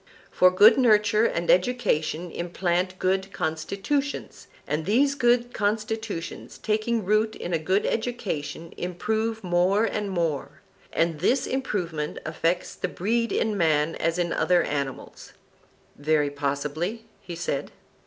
For good nurture and education implant good constitutions, and these good constitutions taking root in a good education improve more and more, and this improvement affects the breed in man as in other animals. Very possibly, he said.